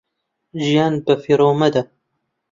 ژیانت بە فیڕۆ مەدە